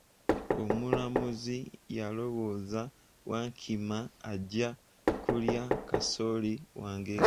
Omulamuzi yalowooza, Wankima ajja kulya kasooli wange.